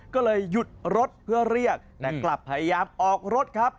ก็เลยหยุดรถเพื่อเรียกแต่กลับพยายามออกรถครับ